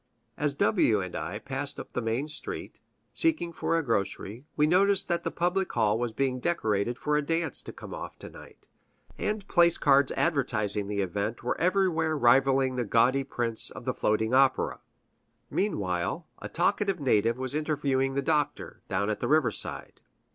As W and I passed up the main street, seeking for a grocery, we noticed that the public hall was being decorated for a dance to come off to night; and placards advertising the event were everywhere rivaling the gaudy prints of the floating opera. Meanwhile, a talkative native was interviewing the Doctor, down at the river side.